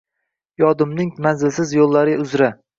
yodimning manzilsiz yo’llari uzra.